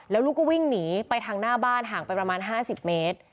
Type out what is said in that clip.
แล้วลูกก็วิ่งหนีไปทางหน้าบ้านห่างไปประมาณ๕๐เมตร